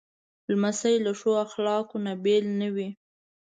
لمسی له ښو اخلاقو نه بېل نه وي.